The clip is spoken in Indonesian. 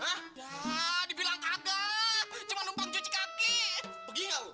ah dibilang kagak cuma numpang cuci kaki begini